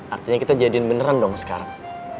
artinya kita jadiin beneran dong sekarang